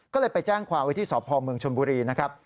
ก็เลยไปแจ้งความไว้ที่สพเมืองชนบุรีนะครับ